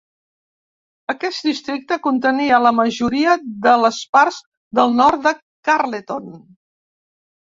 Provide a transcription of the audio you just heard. Aquest districte contenia la majoria de les parts del nord de Carleton.